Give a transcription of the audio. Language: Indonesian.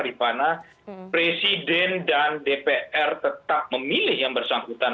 rifana presiden dan dpr tetap memilih yang bersangkutan